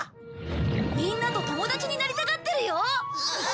みんなと友達になりたがってるよ。